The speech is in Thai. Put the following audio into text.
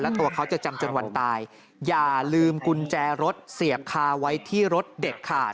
ตัวเขาจะจำจนวันตายอย่าลืมกุญแจรถเสียบคาไว้ที่รถเด็ดขาด